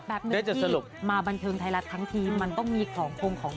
แบบนี้มาบันทึงไทยลัทธ์ทั้งทีมันต้องมีของ